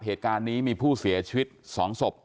เหตุการณ์นี้มีผู้เสียชีวิต๒ศพ